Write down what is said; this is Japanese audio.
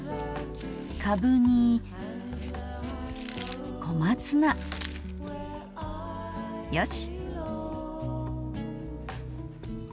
かぶに小松菜よし。